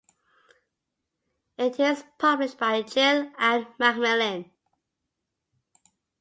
It is published by Gill and Macmillan.